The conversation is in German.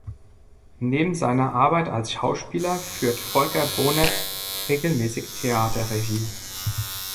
Neben seiner Arbeit als Schauspieler führt Folker Bohnet regelmäßig Theaterregie.